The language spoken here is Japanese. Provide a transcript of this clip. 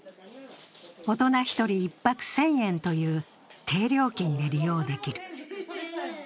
大人１人１泊１０００円という低料金で利用できる。